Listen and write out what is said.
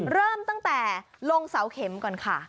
เริ่มตั้งแต่ลงเสาเข็มก่อนค่ะ